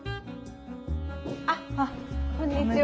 あっこんにちは。